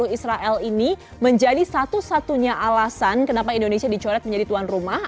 israel ini menjadi satu satunya alasan kenapa indonesia dicoret menjadi tuan rumah